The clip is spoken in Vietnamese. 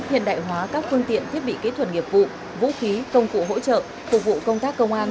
hiện đại hóa các phương tiện thiết bị kỹ thuật nghiệp vụ vũ khí công cụ hỗ trợ phục vụ công tác công an